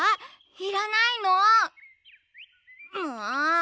いらないの？んもっ！